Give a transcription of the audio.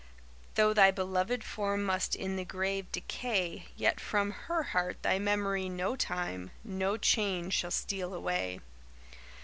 Though thy beloved form must in the grave decay Yet from her heart thy memory no time, no change shall steal away.